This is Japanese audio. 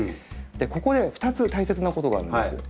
ここで２つ大切なことがあるんです。